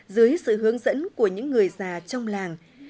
dưới sự hướng dẫn của những người già trong làng